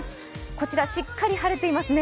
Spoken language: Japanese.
こちらしっかり晴れていますね。